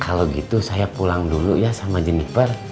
kalau gitu saya pulang dulu ya sama jenniper